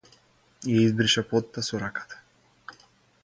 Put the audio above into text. Ја избриша потта со раката.